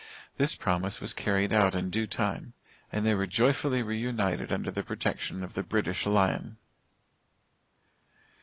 This promise was carried out in due time, and they were joyfully re united under the protection of the British Lion.